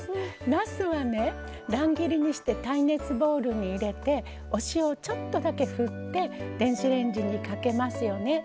なすは、乱切りにして耐熱ボウルに入れてお塩をちょっとだけ振って電子レンジにかけますよね。